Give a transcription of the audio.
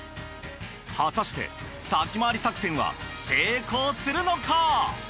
果たして先回り作戦は成功するのか？